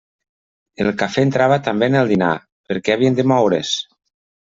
El cafè entrava també en el dinar; per què havien de moure's?